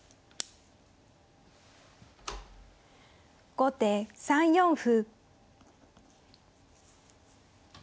後手３四歩。